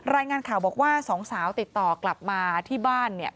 รายงานข่าวบอกว่าสองสาวติดต่อกลับมาที่บ้านเนี่ย